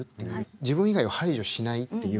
自分以外を排除しないっていう。